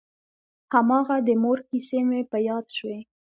هماغه د مور کيسې مې په ياد شوې.